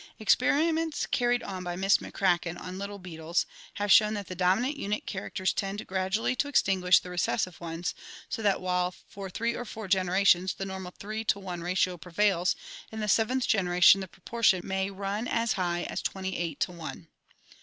Experiments carried on by Miss McCracken on little beetles have shown that the dominant unit characters tend gradually to extinguish the recessive ones, so that while for three or four genera tions the normal three to one ratio prevails, in the seventh genera tion the proportion may run as high as twenty eight to one.